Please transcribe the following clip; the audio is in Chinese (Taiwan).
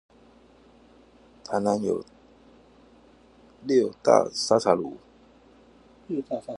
台南有六大沙茶爐